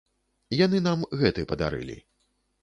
Яны нам гэты падарылі.